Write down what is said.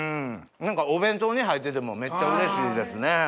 何かお弁当に入っててもめっちゃうれしいですね。